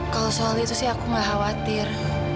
kalau soal itu sih aku nggak khawatir